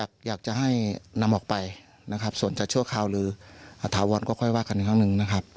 ก็อยากจะให้นำออกไปส่วนจัดชั่วข่าวหรืออรัฐว๑๙๕๗ก็ค่อยว่ากันหนึ่ง